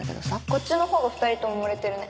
こっちのほうが２人とも盛れてるね